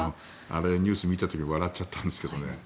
あれ、ニュースを見た時笑っちゃったんですけどね。